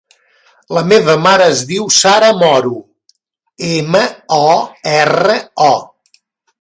La meva mare es diu Sara Moro: ema, o, erra, o.